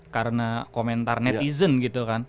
karena komentar netizen gitu kan